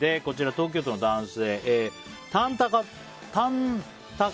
東京都の男性